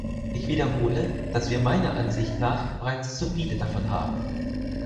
Ich wiederhole, dass wir meiner Ansicht nach bereits zu viele davon haben.